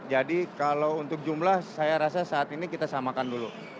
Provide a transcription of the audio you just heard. kalau untuk jumlah saya rasa saat ini kita samakan dulu